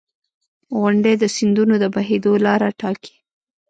• غونډۍ د سیندونو د بهېدو لاره ټاکي.